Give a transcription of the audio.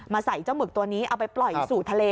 ใส่เจ้าหมึกตัวนี้เอาไปปล่อยสู่ทะเล